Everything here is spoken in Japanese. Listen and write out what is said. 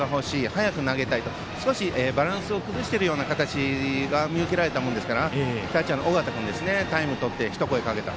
早く投げたいと少しバランスを崩しているような形が見受けられたものですからキャッチャーの尾形君がタイムを取って声をかけた。